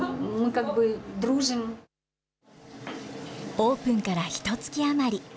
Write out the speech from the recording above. オープンからひとつき余り。